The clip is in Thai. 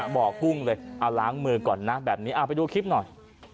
บอกว่ากุ้งเลยล้างมือก่อนนะแบบนี้ไปดูคลิปหน่อย